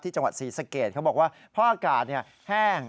ที่จังหวัดศรีสะเกดเขาบอกว่าภาคากาดแห้ง